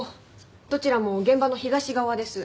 どちらも現場の東側です。